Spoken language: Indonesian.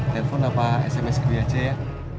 telepon apa sms gue aja ya